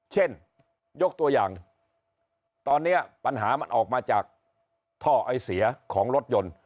ยกตัวอย่างตอนนี้ปัญหามันออกมาจากท่อไอเสียของรถยนต์